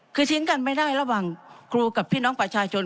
คือทิ้งกันไม่ได้ระหว่างครูกับพี่น้องประชาชน